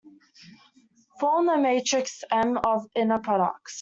Form the matrix "M" of inner products.